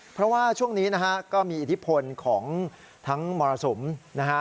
เพราะว่าช่วงนี้นะฮะก็มีอิทธิพลของทั้งมรสุมนะฮะ